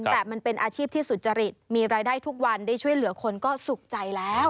แต่มันเป็นอาชีพที่สุจริตมีรายได้ทุกวันได้ช่วยเหลือคนก็สุขใจแล้ว